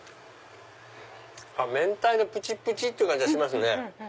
明太のプチプチって感じはしますね。